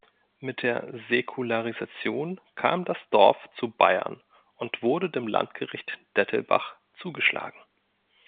Mit der Säkularisation kam das Dorf zu Bayern und wurde dem Landgericht Dettelbach zugeschlagen.